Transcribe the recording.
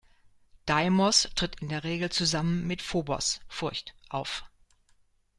Deimos tritt in der Regel zusammen mit Phobos, „Furcht“, auf.